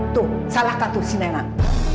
tuh salahkan tuh si nenang